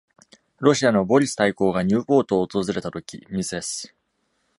ロシアのボリス大公がニューポートを訪れたとき、ミセス